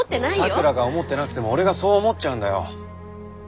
咲良が思ってなくても俺がそう思っちゃうんだよ。